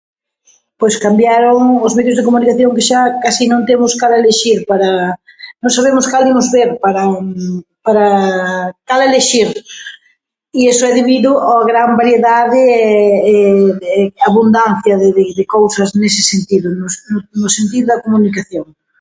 Pois cambiaron os medios de comunicación que xa casi non temos cal elexir para, non sabemos cal imos ver para para, cal elexir i eso é debido ó gran variedade e e abundancia de cousas nese sentido, no no sentido da comunicación.